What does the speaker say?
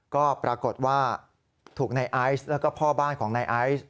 ก็ปรากฏว่าถูกในไอซ์แล้วก็พ่อบ้านของนายไอซ์